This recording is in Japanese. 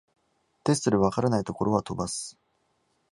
テストで解らないところは飛ばす